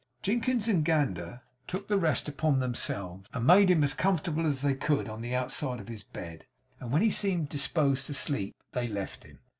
Jinkins and Gander took the rest upon themselves, and made him as comfortable as they could, on the outside of his bed; and when he seemed disposed to sleep, they left him.